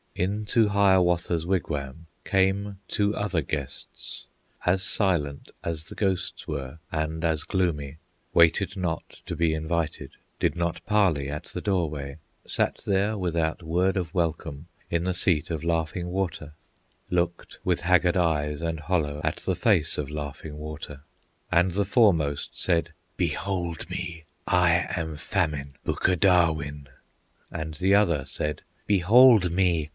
Into Hiawatha's wigwam Came two other guests, as silent As the ghosts were, and as gloomy, Waited not to be invited Did not parley at the doorway Sat there without word of welcome In the seat of Laughing Water; Looked with haggard eyes and hollow At the face of Laughing Water. And the foremost said: "Behold me! I am Famine, Bukadawin!" And the other said: "Behold me!